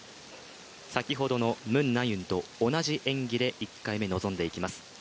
先ほどのムン・ナユンと同じ演技で１回目、臨んでいきます。